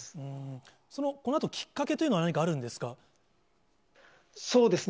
このあと、きっかけというのは何かあるんですか。